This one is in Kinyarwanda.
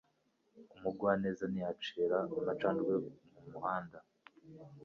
Umugwaneza ntiyacira amacandwe mumuhanda.